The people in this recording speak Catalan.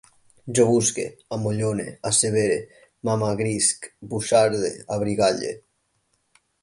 Jo busque, amollone, assevere, m'amagrisc, buixarde, abrigalle